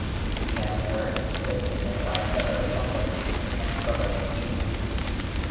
He has worked with and advised several companies and government agencies.